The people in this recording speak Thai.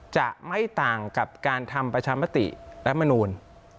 จะไม่ต่างกับการทำประชามติรัฐมนูล